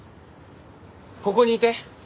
ここにいて。